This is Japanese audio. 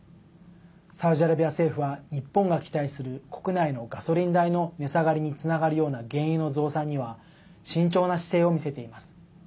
サウジアラビア政府は日本が期待する国内のガソリン代の値下がりにつながるような原油の増産には慎重な姿勢を見せています。